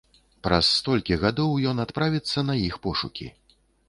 Праз столькі гадоў ён адправіцца на іх пошукі.